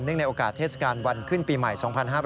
ในโอกาสเทศกาลวันขึ้นปีใหม่๒๕๕๙